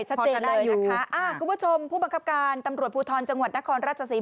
ใช่พอจะได้อยู่ค่ะคุณผู้ชมผู้บังคับการตำรวจภูทรจังหวัดนครราชศรี